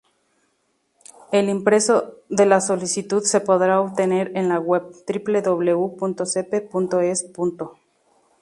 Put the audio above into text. El impreso de la solicitud se podrá obtener en la web www.sepe.es.